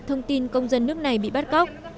thông tin công dân nước này bị bắt cóc